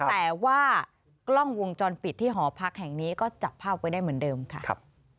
แต่ว่ากล้องวงจรปิดที่หอพักแห่งนี้ก็จับภาพไว้ได้เหมือนเดิมค่ะ